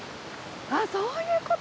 あっそういうこと？